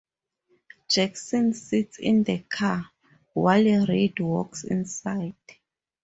Jackson sits in the car, while Reid walks inside.